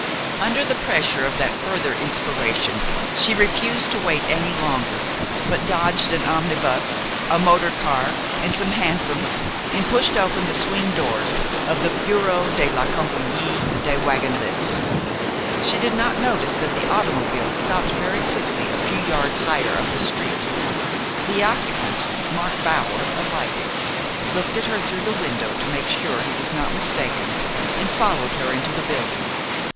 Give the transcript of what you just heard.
Under the pressure of that further inspiration she refused to wait any longer, but dodged an omnibus, a motor car, and some hansoms, and pushed open the swing doors of the Bureau de la Campagnie des Wagons Lits. She did not notice that the automobile stopped very quickly a few yards higher up the street. The occupant, Mark Bower, alighted, looked at her through the window to make sure he was not mistaken, and followed her into the building.